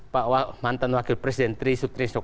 pak mantan wakil presiden tri sutrisno ke saya